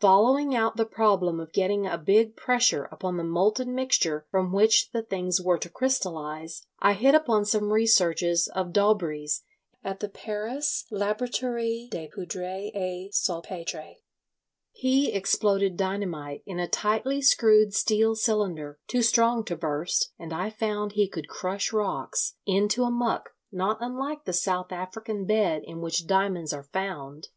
Following out the problem of getting a big pressure upon the molten mixture from which the things were to crystallise, I hit upon some researches of Daubree's at the Paris Laboratorie des Poudres et Salpetres. He exploded dynamite in a tightly screwed steel cylinder, too strong to burst, and I found he could crush rocks into a muck not unlike the South African bed in which diamonds are found.